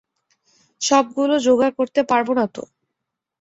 সবগুলো জোগাড় করতে পারব না তো।